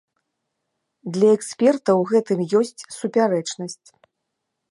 Для эксперта ў гэтым ёсць супярэчнасць.